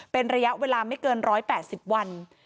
เป็นระยะเวลาไม่เกิน๑๘๐วัน